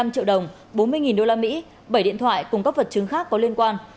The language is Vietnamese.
hai trăm hai mươi năm triệu đồng bốn mươi usd bảy điện thoại cùng các vật chứng khác có liên quan